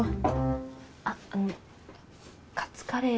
あっあのカツカレー。